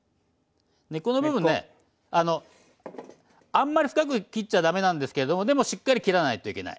根っこの部分ねあんまり深く切っちゃ駄目なんですけどでもしっかり切らないといけない。